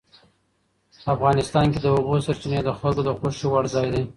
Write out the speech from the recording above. افغانستان کې د اوبو سرچینې د خلکو د خوښې وړ ځای دی.